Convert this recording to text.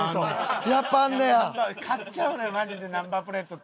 買っちゃうのよマジでナンバープレートって。